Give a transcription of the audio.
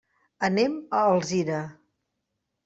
Anem a Alzira.